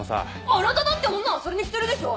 あなただって女漁りに来てるでしょ！